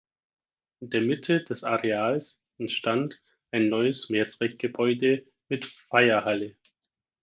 In der Mitte des Areals entstand ein neues Mehrzweckgebäude mit Feierhalle.